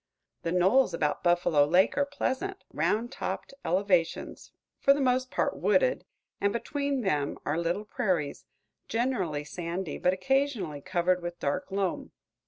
The knolls about Buffalo Lake are pleasant, round topped elevations, for the most part wooded, and between them are little prairies, generally sandy, but occasionally covered with dark loam.